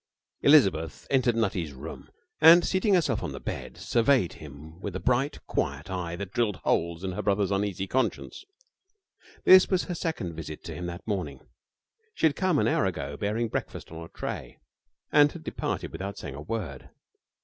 9 Elizabeth entered Nutty's room and, seating herself on the bed, surveyed him with a bright, quiet eye that drilled holes in her brother's uneasy conscience. This was her second visit to him that morning. She had come an hour ago, bearing breakfast on a tray, and had departed without saying a word.